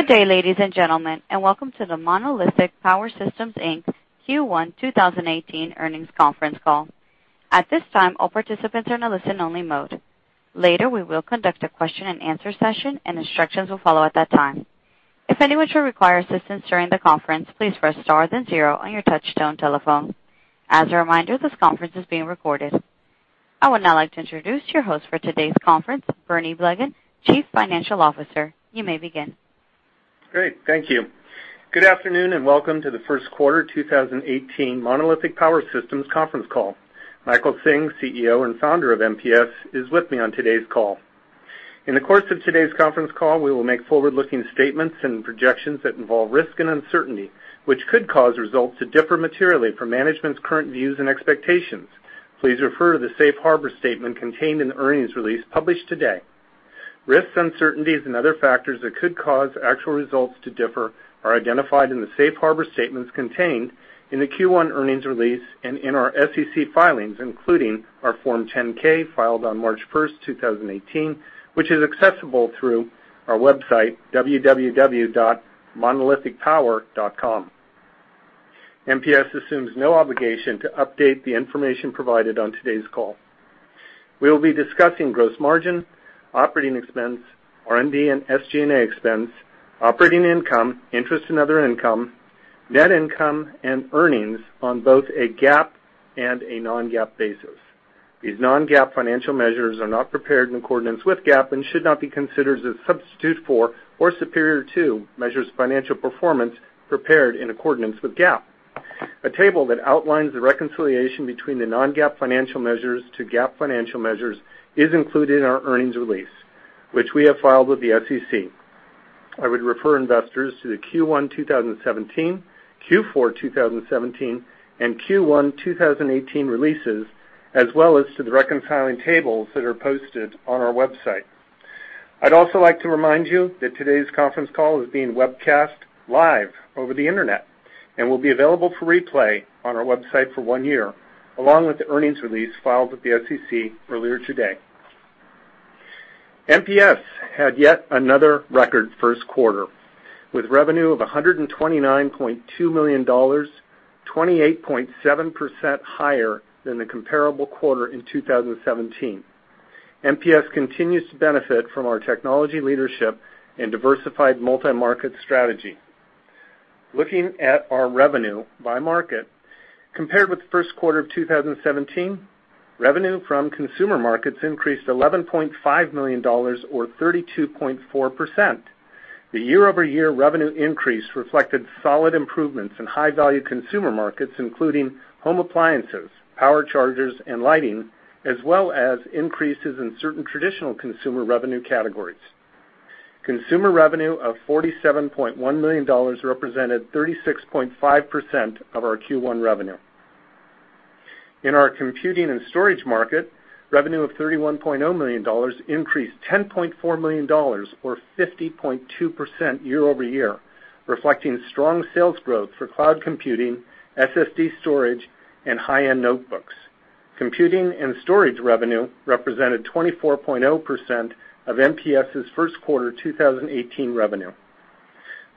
Good day, ladies and gentlemen, and welcome to the Monolithic Power Systems, Inc. Q1 2018 earnings conference call. At this time, all participants are in a listen-only mode. Later, we will conduct a question and answer session and instructions will follow at that time. If anyone should require assistance during the conference, please press star then zero on your touchtone telephone. As a reminder, this conference is being recorded. I would now like to introduce your host for today's conference, Bernie Blegen, Chief Financial Officer. You may begin. Great. Thank you. Good afternoon, and welcome to the first quarter 2018 Monolithic Power Systems conference call. Michael Hsing, CEO and Founder of MPS, is with me on today's call. In the course of today's conference call, we will make forward-looking statements and projections that involve risk and uncertainty, which could cause results to differ materially from management's current views and expectations. Please refer to the safe harbor statement contained in the earnings release published today. Risks, uncertainties, and other factors that could cause actual results to differ are identified in the safe harbor statements contained in the Q1 earnings release and in our SEC filings, including our Form 10-K filed on March 1st, 2018, which is accessible through our website, www.monolithicpower.com. MPS assumes no obligation to update the information provided on today's call. We will be discussing gross margin, operating expense, R&D and SG&A expense, operating income, interest and other income, net income, and earnings on both a GAAP and a non-GAAP basis. These non-GAAP financial measures are not prepared in accordance with GAAP and should not be considered as a substitute for or superior to measures of financial performance prepared in accordance with GAAP. A table that outlines the reconciliation between the non-GAAP financial measures to GAAP financial measures is included in our earnings release, which we have filed with the SEC. I would refer investors to the Q1 2017, Q4 2017, and Q1 2018 releases, as well as to the reconciling tables that are posted on our website. I'd also like to remind you that today's conference call is being webcast live over the internet and will be available for replay on our website for one year, along with the earnings release filed with the SEC earlier today. MPS had yet another record first quarter, with revenue of $129.2 million, 28.7% higher than the comparable quarter in 2017. MPS continues to benefit from our technology leadership and diversified multi-market strategy. Looking at our revenue by market, compared with the first quarter of 2017, revenue from consumer markets increased $11.5 million or 32.4%. The year-over-year revenue increase reflected solid improvements in high-value consumer markets, including home appliances, power chargers, and lighting, as well as increases in certain traditional consumer revenue categories. Consumer revenue of $47.1 million represented 36.5% of our Q1 revenue. In our computing and storage market, revenue of $31.0 million increased $10.4 million or 50.2% year-over-year, reflecting strong sales growth for cloud computing, SSD storage, and high-end notebooks. Computing and storage revenue represented 24.0% of MPS' first quarter 2018 revenue.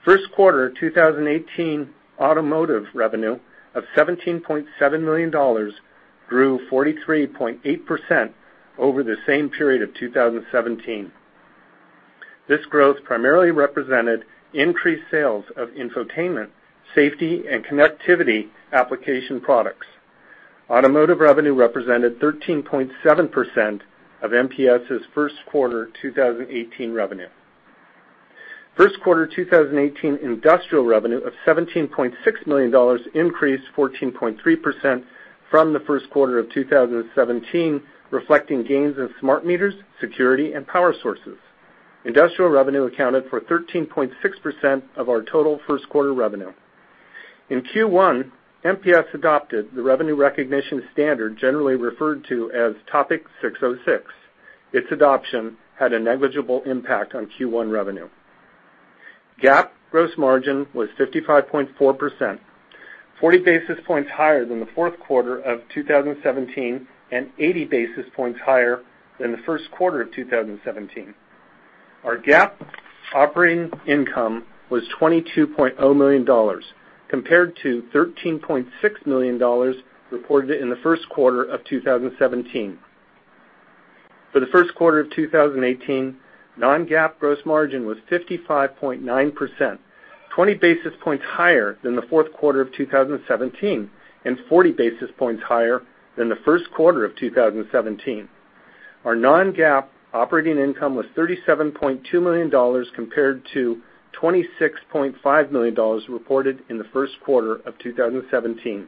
First quarter 2018 automotive revenue of $17.7 million grew 43.8% over the same period of 2017. This growth primarily represented increased sales of infotainment, safety, and connectivity application products. Automotive revenue represented 13.7% of MPS' first quarter 2018 revenue. First quarter 2018 industrial revenue of $17.6 million increased 14.3% from the first quarter of 2017, reflecting gains in smart meters, security, and power sources. Industrial revenue accounted for 13.6% of our total first quarter revenue. In Q1, MPS adopted the revenue recognition standard generally referred to as Topic 606. Its adoption had a negligible impact on Q1 revenue. GAAP gross margin was 55.4%, 40 basis points higher than the fourth quarter of 2017 and 80 basis points higher than the first quarter of 2017. Our GAAP operating income was $22.0 million, compared to $13.6 million reported in the first quarter of 2017. For the first quarter of 2018, non-GAAP gross margin was 55.9%, 20 basis points higher than the fourth quarter of 2017 and 40 basis points higher than the first quarter of 2017. Our non-GAAP operating income was $37.2 million, compared to $26.5 million reported in the first quarter of 2017.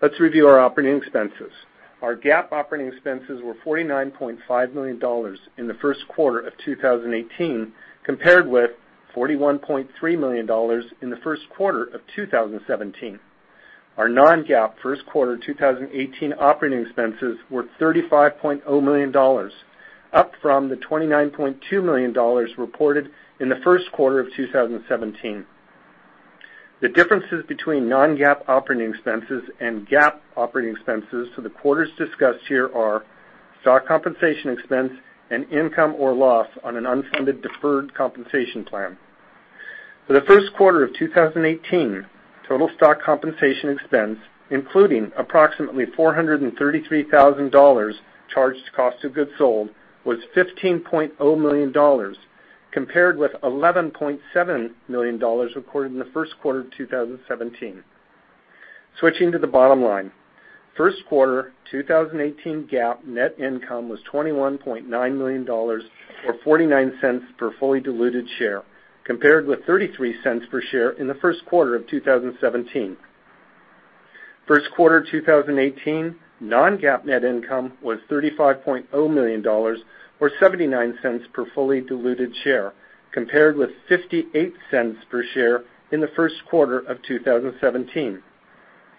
Let's review our operating expenses. Our GAAP operating expenses were $49.5 million in the first quarter of 2018, compared with $41.3 million in the first quarter of 2017. Our non-GAAP first quarter 2018 operating expenses were $35.0 million, up from the $29.2 million reported in the first quarter of 2017. The differences between non-GAAP operating expenses and GAAP operating expenses for the quarters discussed here are stock compensation expense and income or loss on an unfunded deferred compensation plan. For the first quarter of 2018, total stock compensation expense, including approximately $433,000 charged to cost of goods sold, was $15.0 million, compared with $11.7 million recorded in the first quarter of 2017. Switching to the bottom line, first quarter 2018 GAAP net income was $21.9 million, or $0.49 per fully diluted share, compared with $0.33 per share in the first quarter of 2017. First quarter 2018 non-GAAP net income was $35.0 million, or $0.79 per fully diluted share, compared with $0.58 per share in the first quarter of 2017.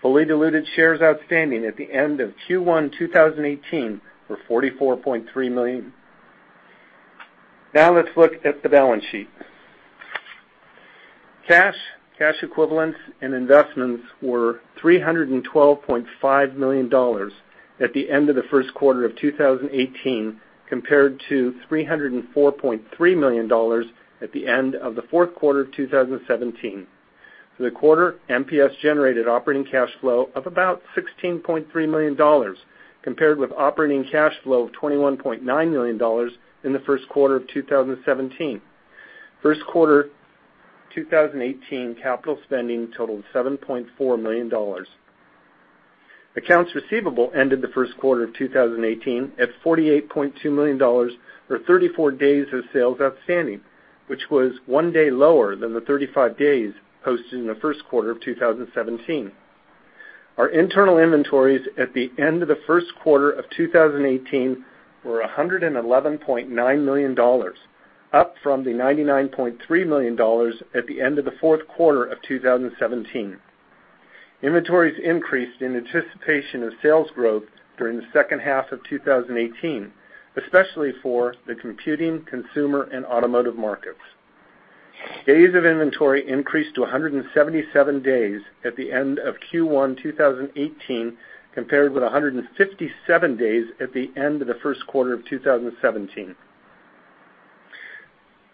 Fully diluted shares outstanding at the end of Q1 2018 were 44.3 million. Now let's look at the balance sheet. Cash, cash equivalents, and investments were $312.5 million at the end of the first quarter of 2018, compared to $304.3 million at the end of the fourth quarter of 2017. For the quarter, MPS generated operating cash flow of about $16.3 million, compared with operating cash flow of $21.9 million in the first quarter of 2017. First quarter 2018 capital spending totaled $7.4 million. Accounts receivable ended the first quarter of 2018 at $48.2 million, or 34 days of sales outstanding, which was one day lower than the 35 days posted in the first quarter of 2017. Our internal inventories at the end of the first quarter of 2018 were $111.9 million, up from the $99.3 million at the end of the fourth quarter of 2017. Inventories increased in anticipation of sales growth during the second half of 2018, especially for the computing, consumer, and automotive markets. Days of inventory increased to 177 days at the end of Q1 2018, compared with 157 days at the end of the first quarter of 2017.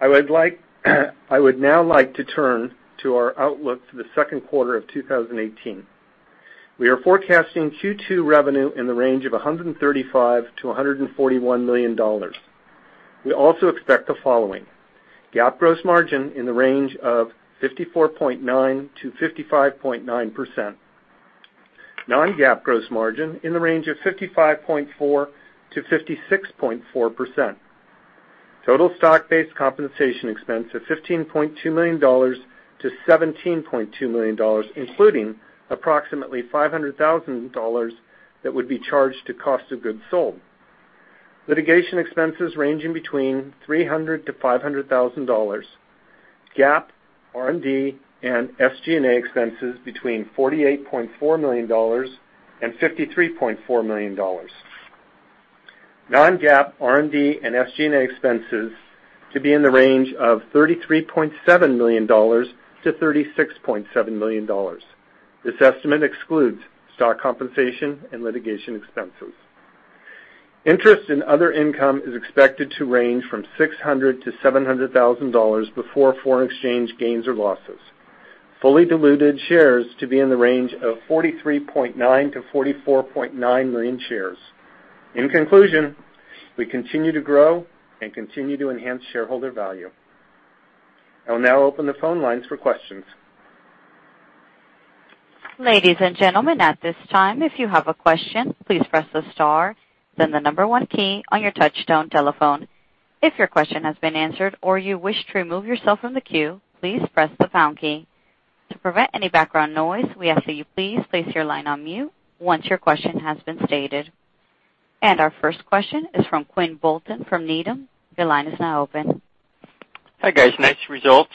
I would now like to turn to our outlook for the second quarter of 2018. We are forecasting Q2 revenue in the range of $135 million-$141 million. We also expect the following: GAAP gross margin in the range of 54.9%-55.9%. Non-GAAP gross margin in the range of 55.4%-56.4%. Total stock-based compensation expense of $15.2 million-$17.2 million, including approximately $500,000 that would be charged to cost of goods sold. Litigation expenses ranging between $300,000 and $500,000. GAAP, R&D, and SG&A expenses between $48.4 million and $53.4 million. Non-GAAP, R&D, and SG&A expenses to be in the range of $33.7 million-$36.7 million. This estimate excludes stock compensation and litigation expenses. Interest in other income is expected to range from $600,000-$700,000 before foreign exchange gains or losses. Fully diluted shares to be in the range of 43.9 million-44.9 million shares. In conclusion, we continue to grow and continue to enhance shareholder value. I will now open the phone lines for questions. Ladies and gentlemen, at this time, if you have a question, please press the star, then the number one key on your touchtone telephone. If your question has been answered or you wish to remove yourself from the queue, please press the pound key. To prevent any background noise, we ask that you please place your line on mute once your question has been stated. Our first question is from Quinn Bolton from Needham. Your line is now open. Hi, guys. Nice results.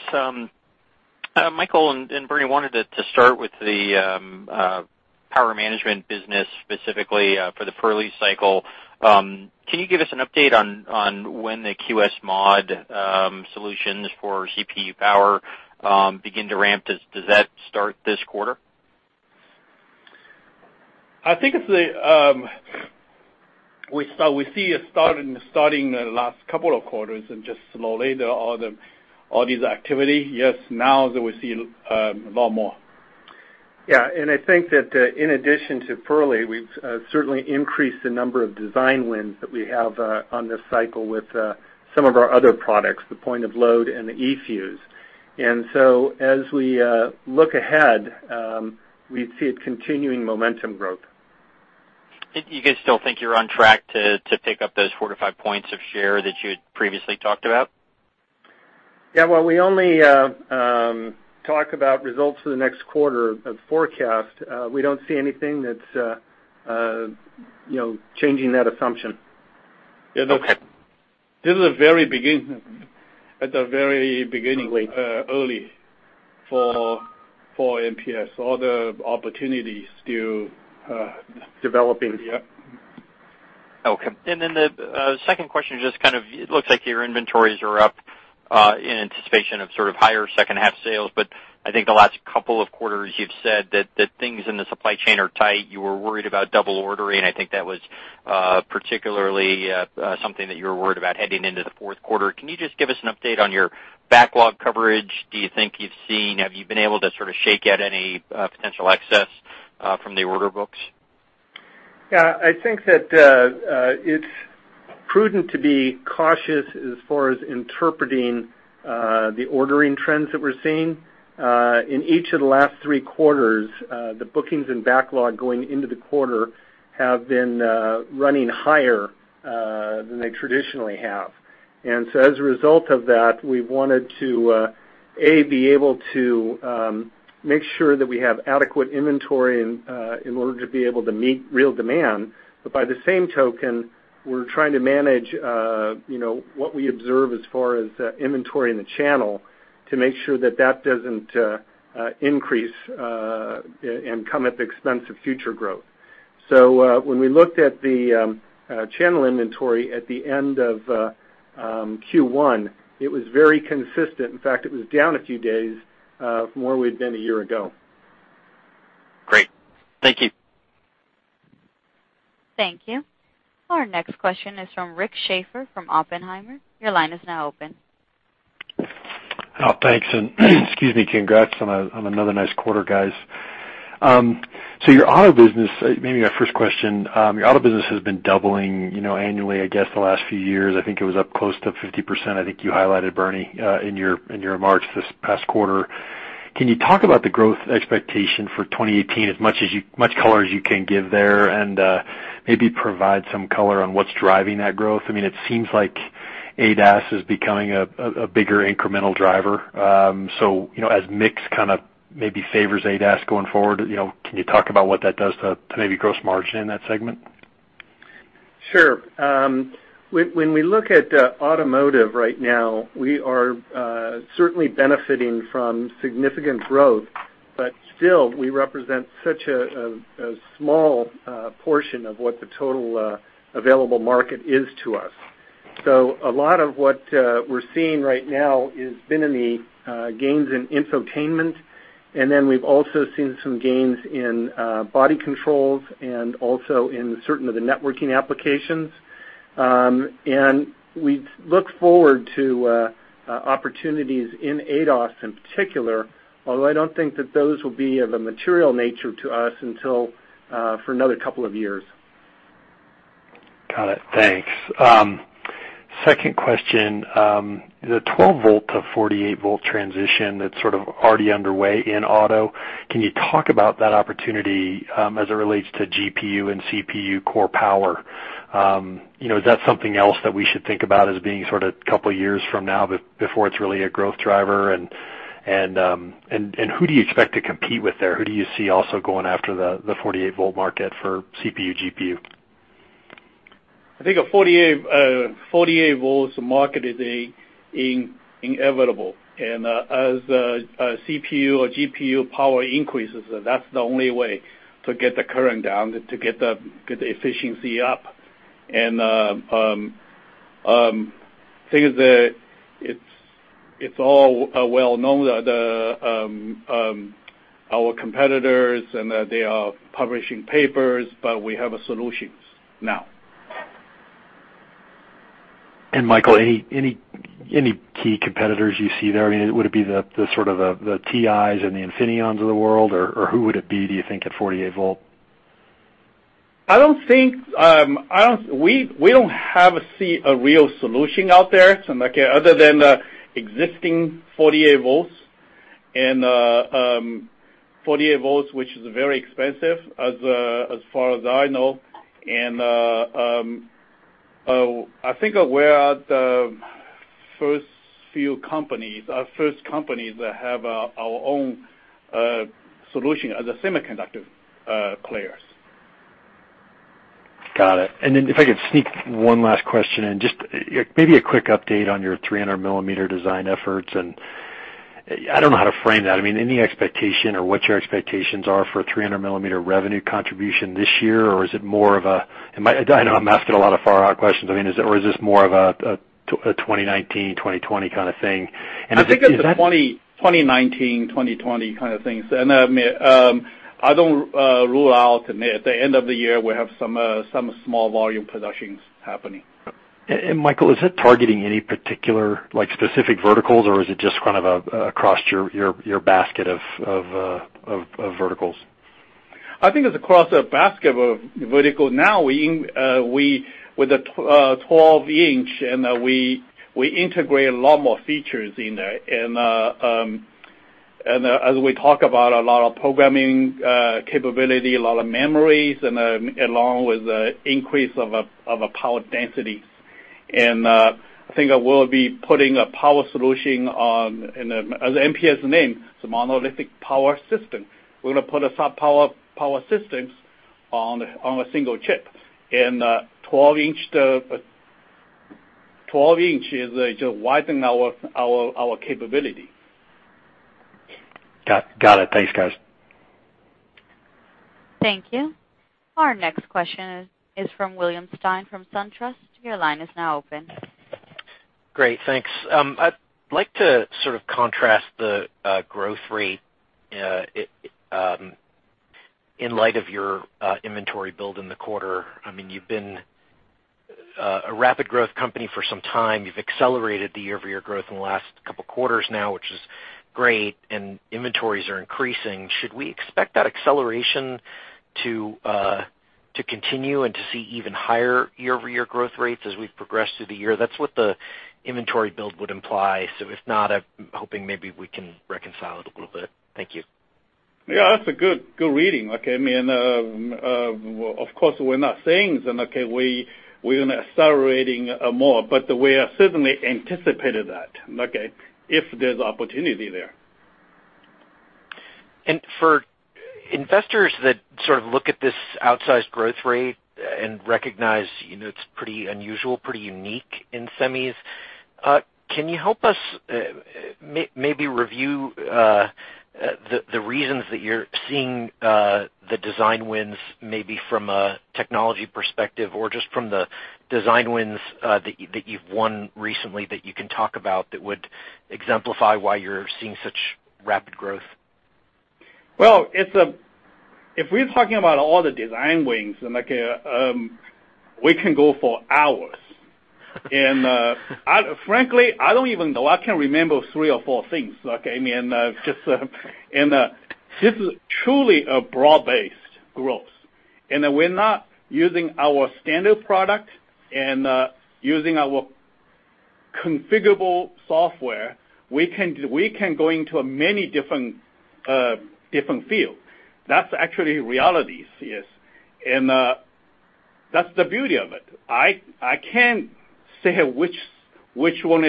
Michael and Bernie, wanted to start with the power management business, specifically for the Purley cycle. Can you give us an update on when the QSMod solutions for CPU power begin to ramp? Does that start this quarter? I think we see it starting the last couple of quarters and just slowly, all these activity. Yes, now we see a lot more. I think that in addition to Purley, we've certainly increased the number of design wins that we have on this cycle with some of our other products, the point of load and the eFuse. As we look ahead, we see a continuing momentum growth. You guys still think you're on track to pick up those four to five points of share that you had previously talked about? Well, we only talk about results for the next quarter of forecast. We don't see anything that's changing that assumption. Okay. This is very beginning, early for MPS. All the opportunities Developing. Okay. The second question is just kind of, it looks like your inventories are up in anticipation of sort of higher second half sales, but I think the last couple of quarters you've said that things in the supply chain are tight. You were worried about double ordering. I think that was particularly something that you were worried about heading into the fourth quarter. Can you just give us an update on your backlog coverage? Have you been able to sort of shake out any potential excess from the order books? Yeah, I think that it's prudent to be cautious as far as interpreting the ordering trends that we're seeing. In each of the last three quarters, the bookings and backlog going into the quarter have been running higher than they traditionally have. As a result of that, we've wanted to, A, be able to make sure that we have adequate inventory in order to be able to meet real demand. By the same token, we're trying to manage what we observe as far as inventory in the channel to make sure that that doesn't increase and come at the expense of future growth. When we looked at the channel inventory at the end of Q1, it was very consistent. In fact, it was down a few days from where we'd been a year ago. Great. Thank you. Thank you. Our next question is from Rick Schafer from Oppenheimer. Your line is now open. Thanks. Excuse me, congrats on another nice quarter, guys. Your auto business, maybe my first question, your auto business has been doubling annually, I guess, the last few years. I think it was up close to 50%, I think you highlighted, Bernie, in your remarks this past quarter. Can you talk about the growth expectation for 2018 as much color as you can give there and maybe provide some color on what's driving that growth? I mean, it seems like ADAS is becoming a bigger incremental driver. As mix kind of maybe favors ADAS going forward, can you talk about what that does to maybe gross margin in that segment? Sure. When we look at automotive right now, we are certainly benefiting from significant growth, still we represent such a small portion of what the total available market is to us. A lot of what we're seeing right now has been in the gains in infotainment, we've also seen some gains in body controls and also in certain of the networking applications. We look forward to opportunities in ADAS in particular, although I don't think that those will be of a material nature to us until for another couple of years. Got it. Thanks. Second question. The 12 volt to 48 volt transition that's sort of already underway in auto, can you talk about that opportunity as it relates to GPU and CPU core power? Is that something else that we should think about as being sort of couple years from now before it's really a growth driver and who do you expect to compete with there? Who do you see also going after the 48 volt market for CPU, GPU? I think a 48 volts market is inevitable as CPU or GPU power increases, that's the only way to get the current down, to get the efficiency up. Things that it's all well known that our competitors and that they are publishing papers, we have solutions now. Michael, any key competitors you see there? I mean, would it be the sort of the TIs and the Infineon of the world, or who would it be, do you think at 48 volt? We don't have a real solution out there other than existing 48 volts, and 48 volts, which is very expensive as far as I know. I think we are the first few companies or first companies that have our own solution as a semiconductor players. Got it. Then if I could sneak one last question in, just maybe a quick update on your 300 millimeter design efforts, and I don't know how to frame that. I mean, any expectation or what your expectations are for 300 millimeter revenue contribution this year? Or is it more of a, I know I'm asking a lot of far-out questions. I mean, or is this more of a 2019, 2020 kind of thing? I think it's a 2019, 2020 kind of thing. I don't rule out at the end of the year we have some small volume productions happening. Michael, is it targeting any particular, like specific verticals or is it just kind of across your basket of verticals? I think it's across a basket of verticals now. With the 12 inch and we integrate a lot more features in there and as we talk about a lot of programming capability, a lot of memories and along with the increase of a power density. I think we'll be putting a power solution on, as MPS's name, it's a Monolithic Power Systems. We're going to put a soft power systems on a single chip. 12 inch is just widen our capability Got it. Thanks, guys. Thank you. Our next question is from William Stein, from SunTrust. Your line is now open. Great. Thanks. I'd like to sort of contrast the growth rate in light of your inventory build in the quarter. You've been a rapid growth company for some time. You've accelerated the year-over-year growth in the last couple quarters now, which is great, and inventories are increasing. Should we expect that acceleration to continue and to see even higher year-over-year growth rates as we progress through the year? That's what the inventory build would imply. If not, I'm hoping maybe we can reconcile it a little bit. Thank you. Yeah, that's a good reading. Of course, we're not saying that we're going to accelerate more, we are certainly anticipating that, if there's opportunity there. For investors that sort of look at this outsized growth rate and recognize it's pretty unusual, pretty unique in semis, can you help us maybe review the reasons that you're seeing the design wins, maybe from a technology perspective or just from the design wins that you've won recently that you can talk about that would exemplify why you're seeing such rapid growth? Well, if we're talking about all the design wins, we can go for hours. Frankly, I don't even know. I can remember three or four things. This is truly a broad-based growth. We're not using our standard product and using our configurable software. We can go into many different fields. That's actually reality. That's the beauty of it. I can't say which one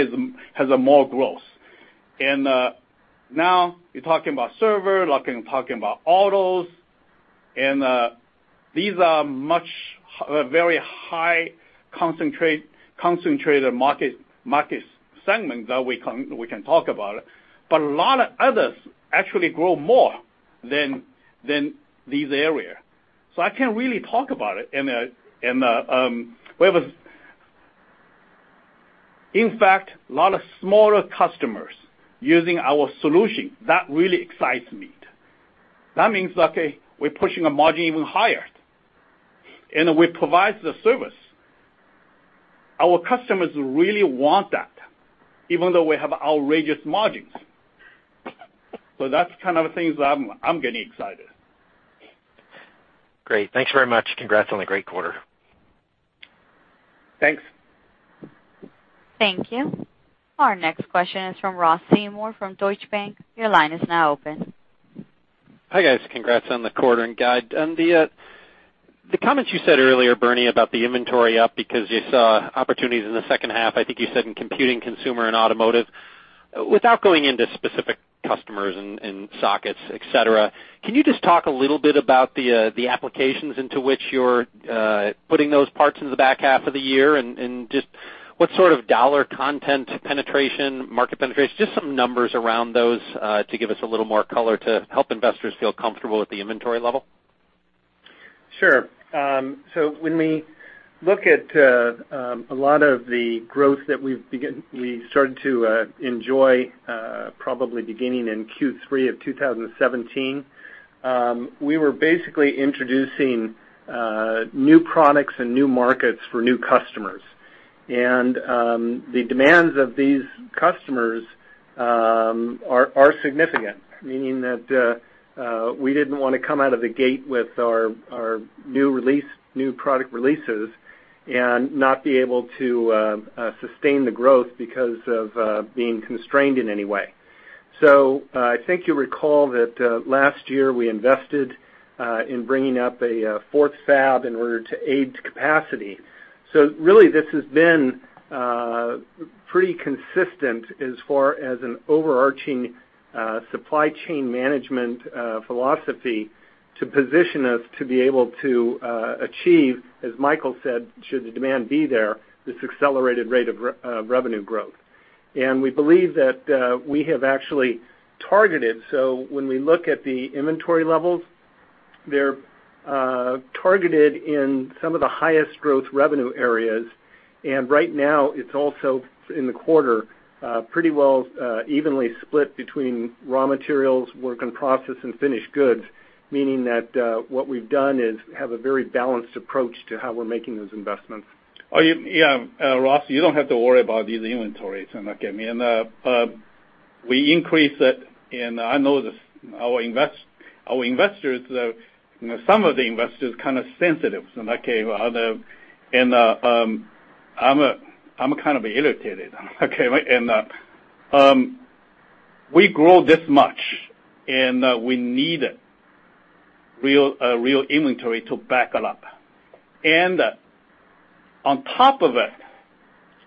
has more growth. Now you're talking about server, talking about autos, and these are very high concentrated market segments that we can talk about. A lot of others actually grow more than these areas. I can't really talk about it. In fact, a lot of smaller customers using our solution, that really excites me. That means we're pushing the margin even higher, and we provide the service. Our customers really want that, even though we have outrageous margins. That's the kind of things I'm getting excited. Great. Thanks very much. Congrats on a great quarter. Thanks. Thank you. Our next question is from Ross Seymore from Deutsche Bank. Your line is now open. Hi, guys. Congrats on the quarter and guide. On the comments you said earlier, Bernie, about the inventory up because you saw opportunities in the second half, I think you said in computing, consumer, and automotive. Without going into specific customers and sockets, et cetera, can you just talk a little bit about the applications into which you're putting those parts in the back half of the year and just what sort of dollar content penetration, market penetration, just some numbers around those to give us a little more color to help investors feel comfortable with the inventory level? Sure. When we look at a lot of the growth that we started to enjoy probably beginning in Q3 of 2017, we were basically introducing new products and new markets for new customers. The demands of these customers are significant, meaning that we didn't want to come out of the gate with our new product releases and not be able to sustain the growth because of being constrained in any way. I think you'll recall that last year we invested in bringing up a fourth fab in order to aid capacity. Really this has been pretty consistent as far as an overarching supply chain management philosophy to position us to be able to achieve, as Michael said, should the demand be there, this accelerated rate of revenue growth. We believe that we have actually targeted. When we look at the inventory levels, they're targeted in some of the highest growth revenue areas. Right now it's also in the quarter pretty well evenly split between raw materials, work in process, and finished goods, meaning that what we've done is have a very balanced approach to how we're making those investments. Yeah, Ross, you don't have to worry about these inventories. We increase it, I know some of the investors are kind of sensitive. I'm kind of irritated. We grow this much, we need real inventory to back it up. On top of it,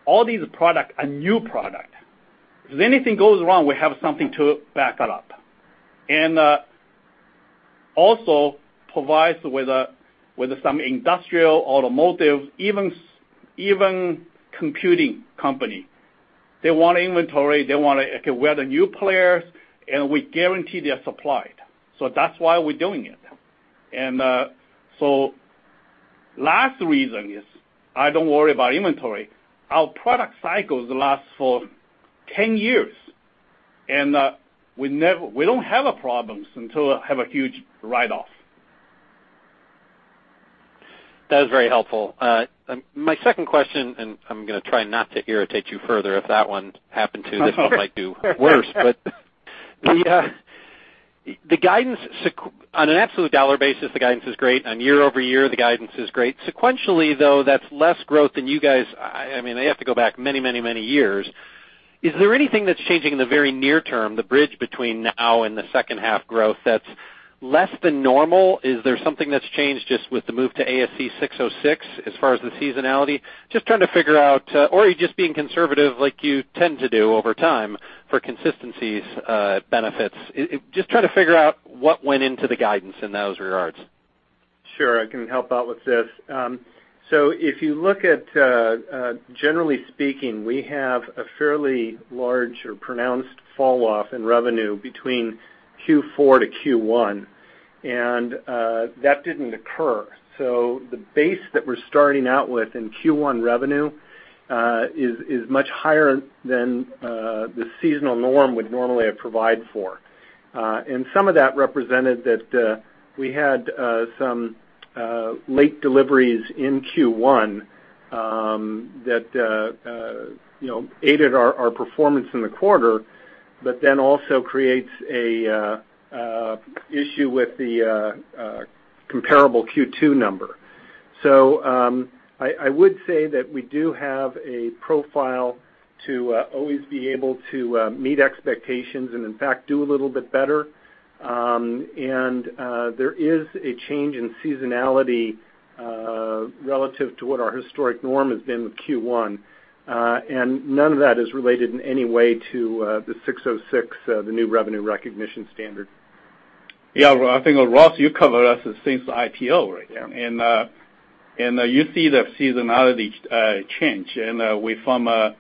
all these products are new product. If anything goes wrong, we have something to back it up. Also provides with some industrial automotive, even computing company. They want inventory, they want to, okay, we are the new players, and we guarantee they are supplied. That's why we're doing it. Last reason is I don't worry about inventory. Our product cycles last for 10 years, and we don't have problems until I have a huge write-off. That is very helpful. My second question, I'm going to try not to irritate you further, if that one happened to, this one might do worse. On an absolute dollar basis, the guidance is great. On year-over-year, the guidance is great. Sequentially, though, that's less growth than you guys. I have to go back many years. Is there anything that's changing in the very near term, the bridge between now and the second half growth that's less than normal? Is there something that's changed just with the move to ASC 606 as far as the seasonality? Just trying to figure out, or are you just being conservative like you tend to do over time for consistency benefits. Just trying to figure out what went into the guidance in those regards. Sure. I can help out with this. If you look at, generally speaking, we have a fairly large or pronounced falloff in revenue between Q4 to Q1, that didn't occur. The base that we're starting out with in Q1 revenue, is much higher than the seasonal norm would normally provide for. Some of that represented that we had some late deliveries in Q1, that aided our performance in the quarter, also creates an issue with the comparable Q2 number. I would say that we do have a profile to always be able to meet expectations and, in fact, do a little bit better. There is a change in seasonality relative to what our historic norm has been with Q1. None of that is related in any way to the Topic 606, the new revenue recognition standard. Well, I think, Ross, you covered us since the IPO, right? Yeah. You see the seasonality change, we from a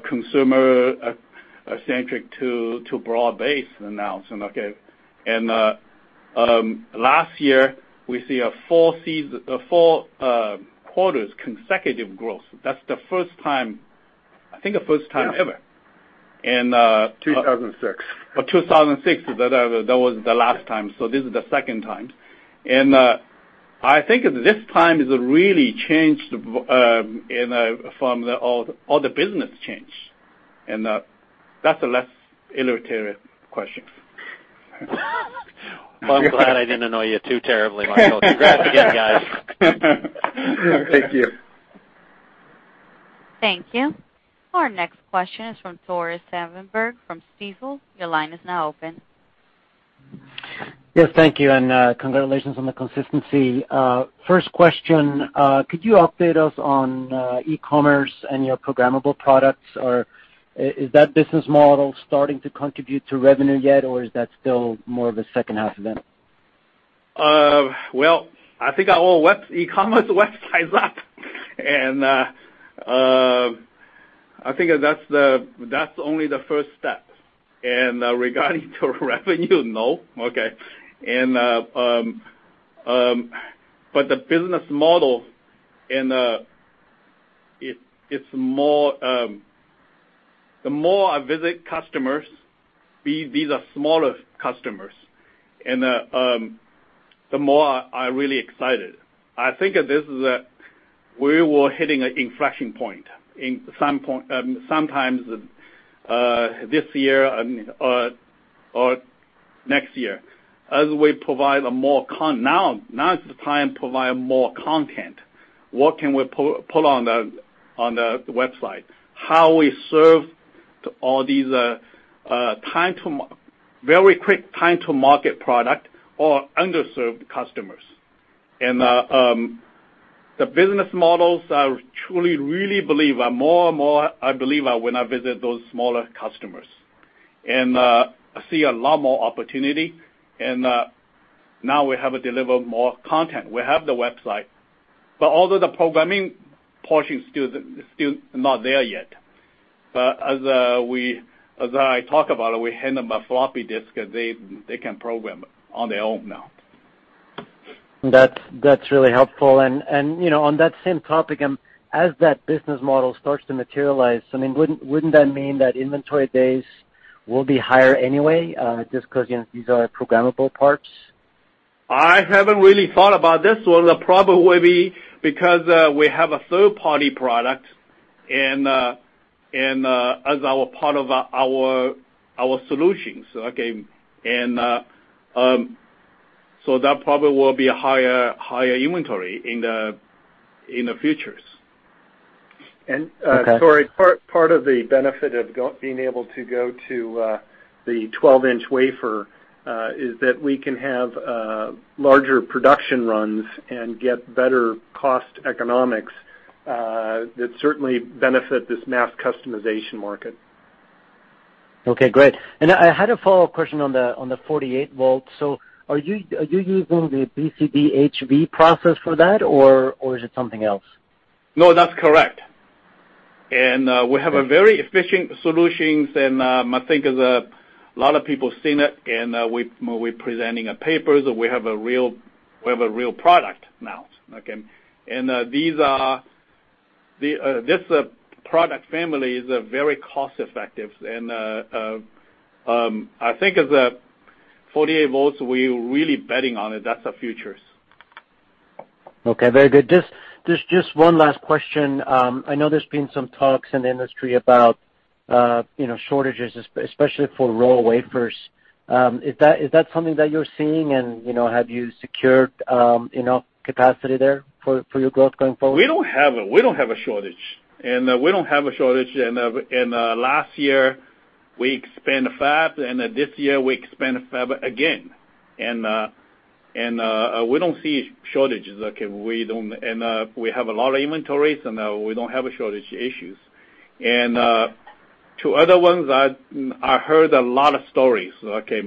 consumer-centric to broad-based now. Last year, we see 4 quarters consecutive growth. That's the first time, I think the first time ever. 2006. 2006. That was the last time. This is the second time. I think this time is really changed from all the business change. That's a less literal question. Well, I'm glad I didn't annoy you too terribly, Michael. Congrats again, guys. Thank you. Thank you. Our next question is from Tore Svanberg from Stifel. Your line is now open. Yes. Thank you, and congratulations on the consistency. First question, could you update us on e-commerce and your programmable products, or is that business model starting to contribute to revenue yet, or is that still more of a second half event? Well, I think our whole e-commerce website is up. I think that's only the first step. Regarding to revenue, no. Okay. The business model, the more I visit customers, these are smaller customers, and the more I'm really excited. I think that this is, we were hitting an inflection point in sometimes, this year or next year as we provide more content. What can we put on the website? How we serve to all these very quick time to market product or underserved customers. The business models, I truly really believe are more, I believe when I visit those smaller customers. I see a lot more opportunity. Now we have delivered more content. We have the website, but although the programming portion still not there yet. As I talk about it, we hand them a floppy disk, and they can program on their own now. That's really helpful. On that same topic, as that business model starts to materialize, wouldn't that mean that inventory days will be higher anyway, just because these are programmable parts? I haven't really thought about this one. The problem will be because, we have a third-party product, and as our part of our solutions. That probably will be a higher inventory in the futures. Okay. Tore, part of the benefit of being able to go to the 12-inch wafer, is that we can have larger production runs and get better cost economics, that certainly benefit this mass customization market. Okay, great. I had a follow-up question on the 48 volts. Are you using the BCD HV process for that, or is it something else? No, that's correct. We have a very efficient solutions, and I think as a lot of people seen it, and we're presenting papers. We have a real product now. Okay. This product family is very cost effective, and I think as a 48 volts, we're really betting on it. That's our futures. Okay, very good. Just one last question. I know there's been some talks in the industry about shortages, especially for raw wafers. Is that something that you're seeing and have you secured enough capacity there for your growth going forward? We don't have a shortage. Last year, we expand fab, and this year, we expand fab again. We don't see shortages, okay? We have a lot of inventories, and we don't have a shortage issues. To other ones, I heard a lot of stories, okay,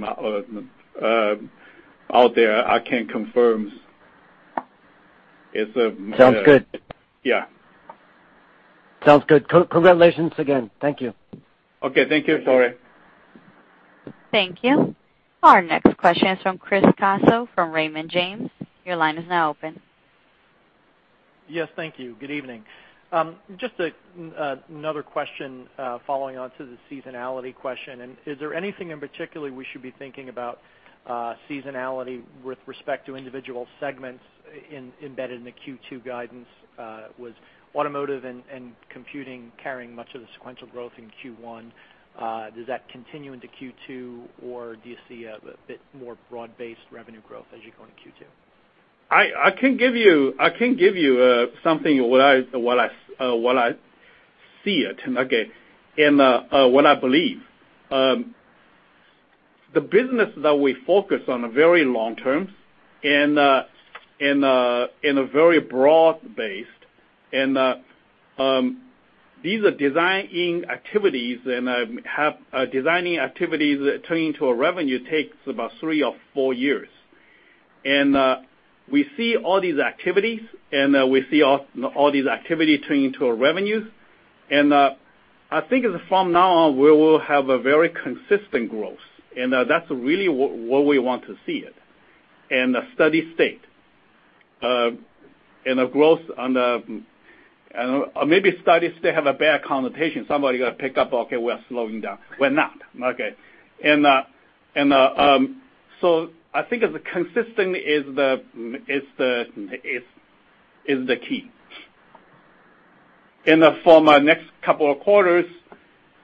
out there. I can't confirm. Sounds good. Yeah. Sounds good. Congratulations again. Thank you. Okay. Thank you, Tore. Thank you. Our next question is from Chris Caso, from Raymond James. Your line is now open. Yes, thank you. Good evening. Just another question, following on to the seasonality question. Is there anything in particular we should be thinking about seasonality with respect to individual segments embedded in the Q2 guidance, with automotive and computing carrying much of the sequential growth in Q1? Does that continue into Q2, or do you see a bit more broad-based revenue growth as you go into Q2? What I believe. These are designing activities, and designing activities turning into a revenue takes about three or four years. We see all these activities, and we see all these activity turning into our revenues. I think from now on, we will have a very consistent growth, and that's really what we want to see it, and a steady state. Maybe steady state have a bad connotation. Somebody got picked up, okay, we are slowing down. We're not. Okay. I think consistent is the key. For next couple of quarters,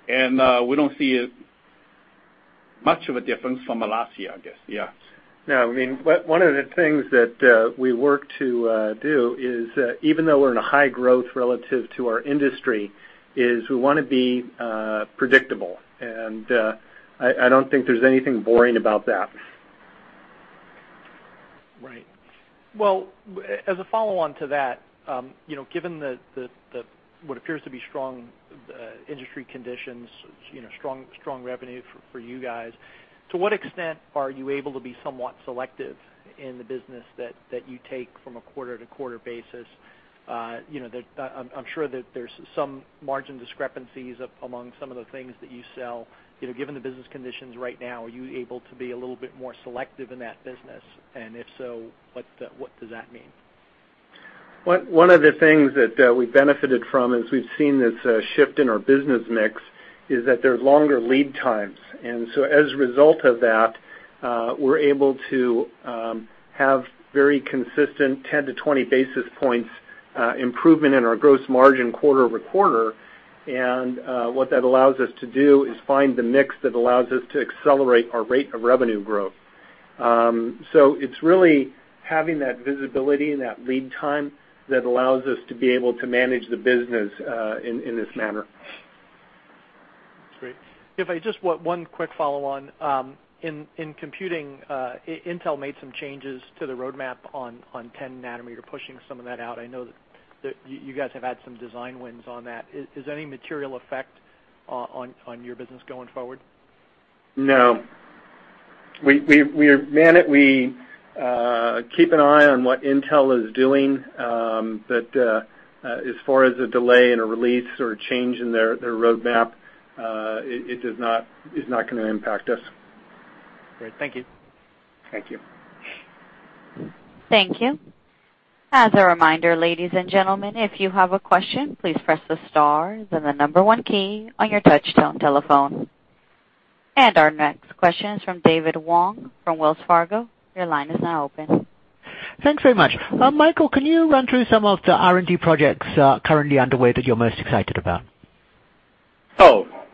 we don't see much of a difference from last year, I guess. Yeah. No, one of the things that we work to do is, even though we're in a high growth relative to our industry, is we want to be predictable. I don't think there's anything boring about that. Right. Well, as a follow-on to that, given what appears to be strong industry conditions, strong revenue for you guys, to what extent are you able to be somewhat selective in the business that you take from a quarter-to-quarter basis? I'm sure that there's some margin discrepancies among some of the things that you sell. Given the business conditions right now, are you able to be a little bit more selective in that business? If so, what does that mean? One of the things that we've benefited from is we've seen this shift in our business mix is that there's longer lead times. As a result of that, we're able to have very consistent 10-20 basis points improvement in our gross margin quarter-over-quarter. What that allows us to do is find the mix that allows us to accelerate our rate of revenue growth. It's really having that visibility and that lead time that allows us to be able to manage the business, in this manner. That's great. One quick follow-on. In computing, Intel made some changes to the roadmap on 10 nanometer, pushing some of that out. I know that you guys have had some design wins on that. Is there any material effect on your business going forward? No. We keep an eye on what Intel is doing, but as far as a delay in a release or a change in their roadmap, it is not going to impact us. Great. Thank you. Thank you. Thank you. As a reminder, ladies and gentlemen, if you have a question, please press the star, then the number 1 key on your touchtone telephone. Our next question is from David Wong from Wells Fargo. Your line is now open. Thanks very much. Michael, can you run through some of the R&D projects currently underway that you're most excited about?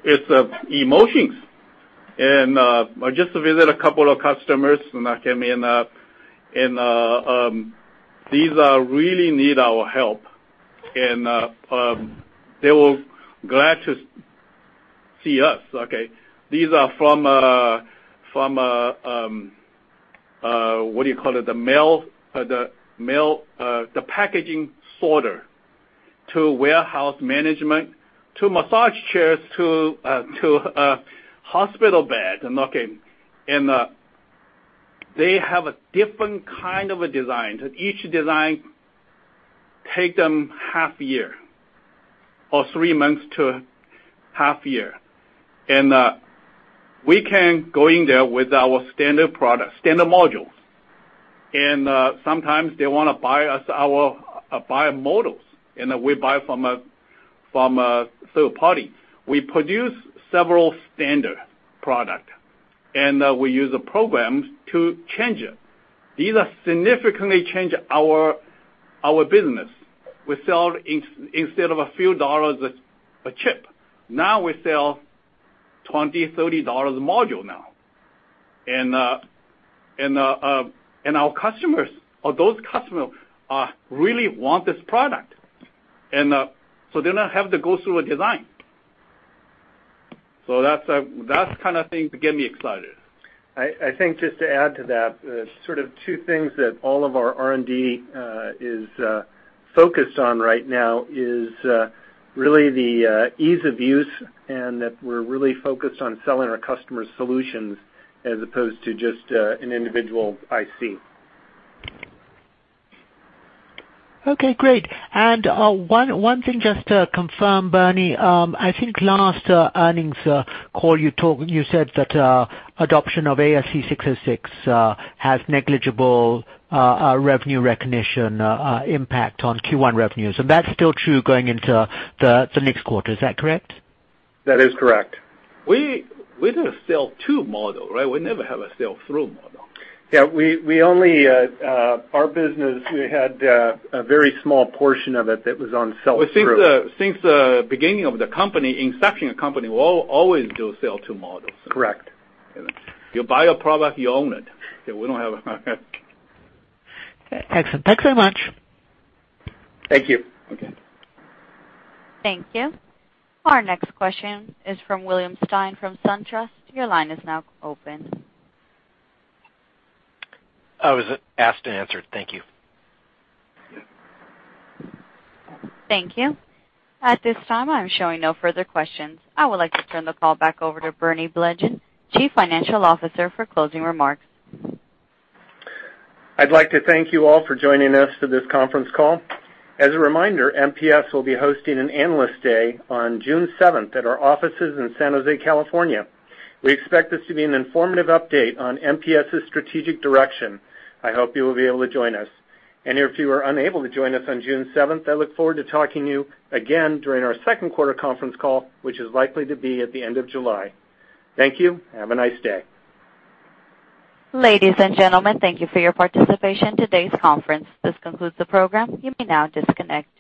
It's eMotion. I just visit a couple of customers, these really need our help, they were glad to see us, okay? These are from What do you call it? The mail, the packaging sorter to warehouse management, to massage chairs to hospital bed. They have a different kind of a design, that each design take them half year, or three months to half year. We can go in there with our standard modules. Sometimes they want to buy our power modules, we buy from a third party. We produce several standard product, we use programs to change it. These are significantly change our business. We sell instead of a few dollars a chip, now we sell $20, $30 module now. Our customers or those customers really want this product, so they not have to go through a design. That's kind of thing get me excited. I think just to add to that, sort of two things that all of our R&D is focused on right now is really the ease of use and that we're really focused on selling our customers solutions as opposed to just an individual IC. Okay, great. One thing just to confirm, Bernie, I think last earnings call, you said that adoption of ASC 606 has negligible revenue recognition impact on Q1 revenues, and that's still true going into the next quarter. Is that correct? That is correct. We did a sell to model, right? We never have a sell through model. Yeah. Our business, we had a very small portion of it that was on sell through. Since the inception of the company, we always do sell to models. Correct. You buy a product, you own it. We don't have. Okay, excellent. Thanks very much. Thank you. Okay. Thank you. Our next question is from William Stein from SunTrust. Your line is now open. I was asked and answered. Thank you. Thank you. At this time, I'm showing no further questions. I would like to turn the call back over to Bernie Blegen, Chief Financial Officer, for closing remarks. I'd like to thank you all for joining us for this conference call. As a reminder, MPS will be hosting an Analyst Day on June seventh at our offices in San Jose, California. We expect this to be an informative update on MPS's strategic direction. I hope you will be able to join us. If you are unable to join us on June seventh, I look forward to talking to you again during our second quarter conference call, which is likely to be at the end of July. Thank you. Have a nice day. Ladies and gentlemen, thank you for your participation in today's conference. This concludes the program. You may now disconnect.